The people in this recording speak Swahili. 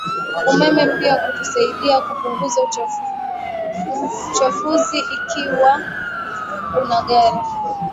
umeme pia kutasaidia kupunguza uchafuziikiwa una gari